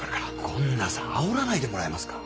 権田さんあおらないでもらえますか？